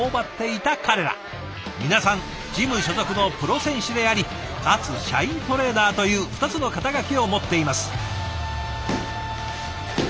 皆さんジム所属のプロ選手でありかつ社員トレーナーという２つの肩書を持っています。